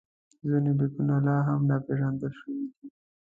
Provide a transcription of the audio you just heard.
ځینې لیکونه لا هم ناپېژندل شوي دي.